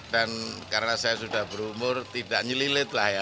dan karena saya sudah berumur tidak nyelilit lah ya